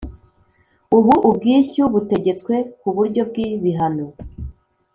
Ubu ubwishyu butegetswe ku buryo bw ibihano